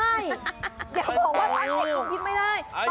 เดี๋ยวผมว่าตอนเด็กก็คิดไม่ได้